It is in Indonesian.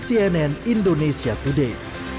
di cnn indonesia today